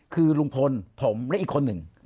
คือลุงพลผมและอีกคนหนึ่ง